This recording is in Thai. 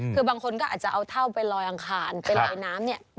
คือบางคนก็อาจจะเอาเท่าไปลอยอังคารไปลอยน้ำเนี่ย